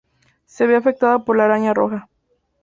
Se ve afectada por la araña roja.